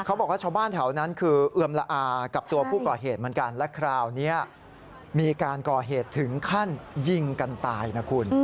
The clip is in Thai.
ชาวบ้านแถวนั้นคือเอือมละอากับตัวผู้ก่อเหตุเหมือนกันและคราวนี้มีการก่อเหตุถึงขั้นยิงกันตายนะคุณ